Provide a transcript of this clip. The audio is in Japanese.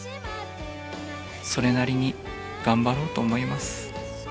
それなりに頑張ろうと思います。